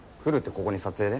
ここに撮影で？